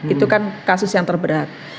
itu kan kasus yang terberat